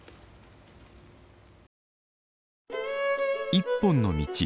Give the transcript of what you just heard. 「一本の道」。